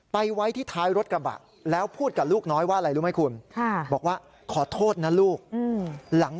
ไปไว้ที่ท้ายรถกระบะ